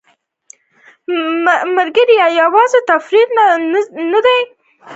مرکه یوازې تفریح نه ده.